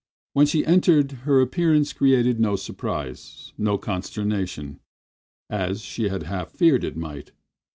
When she entered her appearance created no surprise, no consternation, as she had half feared it might.